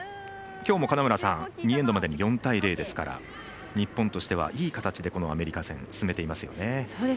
きょうも２エンドまでに４対０ですから日本としてはいい形で、このアメリカ戦進めていますよね。